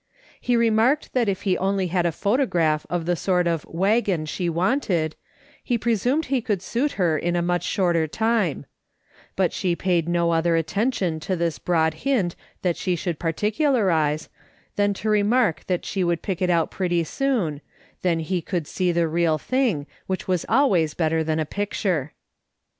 He remarked that if he only had a photograph of the sort of " wag gon " she wanted, he presumed he could suit her in a much shorter time ; but she paid no other attention to this broad hint that she should particularise, than to remark that she would pick it out pretty soon, then he could see the real thing, which was always better than a picture.